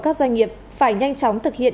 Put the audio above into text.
các doanh nghiệp phải nhanh chóng thực hiện